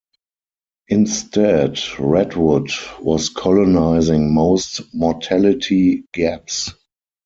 Instead, redwood was colonizing most mortality gaps.